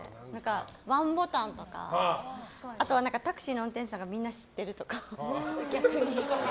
ワンボタンとかあとは、タクシーの運転手さんがみんな知ってるとか、逆に。